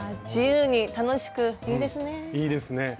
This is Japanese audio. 自由に楽しくいいですね。